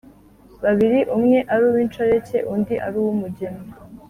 babiri umwe ari uw’inshoreke undi ari uw’umugeni